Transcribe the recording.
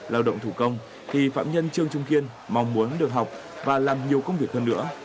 lao động thủ công thì phạm nhân trương trung kiên mong muốn được học và làm nhiều công việc hơn nữa